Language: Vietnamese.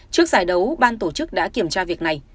trước giải đấu ban tổ chức đã kiểm tra việc này